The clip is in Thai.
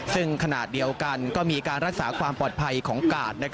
ซึ่งขณะเดียวกันก็มีการรักษาความปลอดภัยของกาด